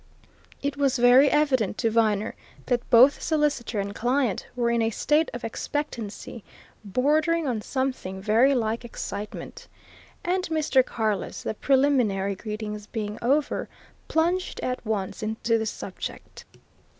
It was very evident to Viner that both solicitor and client were in a state of expectancy bordering on something very like excitement; and Mr. Carless, the preliminary greetings being over, plunged at once into the subject.